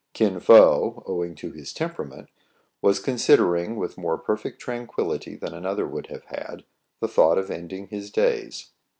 Kin Fo, owing to his temperament, was consid ering, with more perfect tranquillity than another would have hadj the thought of ending his days.